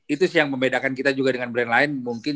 itu sih yang membedakan kita juga dengan brand lain mungkin